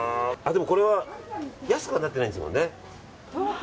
でも、これは安くはなってないんですもんね。